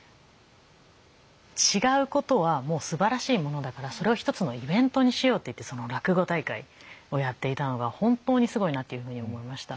違うことはすばらしいものだからそれを一つのイベントにしようといってその落語大会をやっていたのが本当にすごいなというふうに思いました。